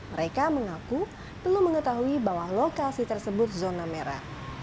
mereka mengaku belum mengetahui bahwa lokasi tersebut zona merah